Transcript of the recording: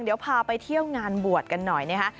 เดี๋ยวพาไปเที่ยวงานบวชกันหน่อยนะคะ